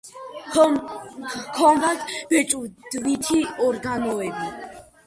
ჰქონდათ ბეჭდვითი ორგანოები.